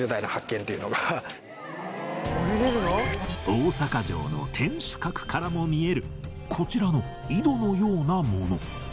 大阪城の天守閣からも見えるこちらの井戸のようなもの